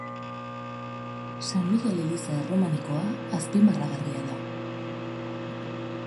San Migel eliza erromanikoa azpimarragarria da.